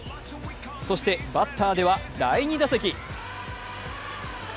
そしてバッターでは第２打席。